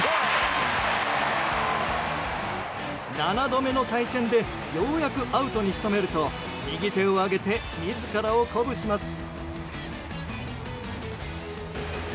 ７度目の対戦でようやくアウトに仕留めると右手を上げて自らを鼓舞します。